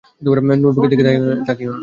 নোটবুকের দিকে তাকিও না।